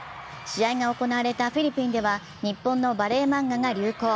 試合が行われたフィリピンでは日本のバレー漫画が流行。